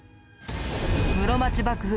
室町幕府